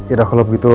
ya udah kalau begitu